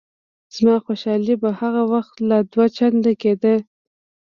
زما خوشحالي به هغه وخت لا دوه چنده کېده.